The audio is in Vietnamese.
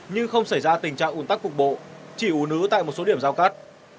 nhưng không xảy ra tình trạng ủn tắc cục bộ chỉ ủ nứ tại một số điểm giao cắt